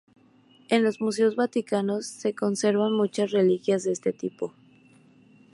En los Museos Vaticanos se conservan muchas reliquias de este tipo.